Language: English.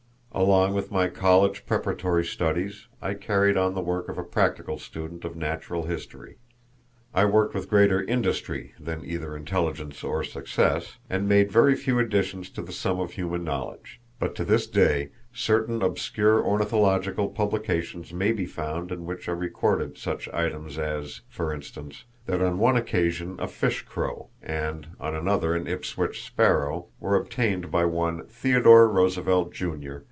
Along with my college preparatory studies I carried on the work of a practical student of natural history. I worked with greater industry than either intelligence or success, and made very few additions to the sum of human knowledge; but to this day certain obscure ornithological publications may be found in which are recorded such items as, for instance, that on one occasion a fish crow, and on another an Ipswich sparrow, were obtained by one Theodore Roosevelt, Jr.